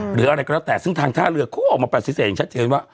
หรืออะไรก็แล้วแต่ซึ่งทางท่าเรือเขาก็ออกมาปฏิเสธอย่างชัดเจนว่า